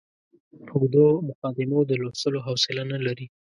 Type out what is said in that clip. اوږدو مقدمو د لوستلو حوصله نه لري.